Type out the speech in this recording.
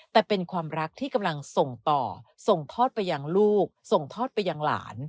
แต่เป็นความรักที่กำลังส่งต่อส่งทอดไปยังลูกส่งทอดไปยังหลาน